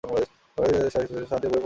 তাকে শান্তিতে বইও পড়তে দেবে না!